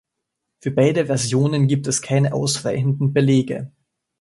Für beide Versionen gibt es keine ausreichenden Belege.